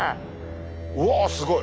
うわすごい！